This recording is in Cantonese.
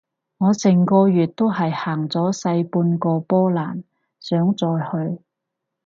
我成個月都係行咗細半個波蘭，想再去